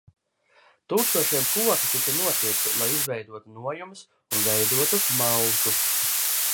Tūkstošiem koku tika nocirsti, lai izveidotu nojumes un veidotu malku.